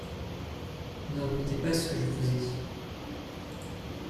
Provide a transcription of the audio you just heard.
Ne répétez pas ce que je vous ai dit.